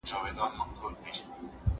څلورمه هغه آش هغه کاسه وه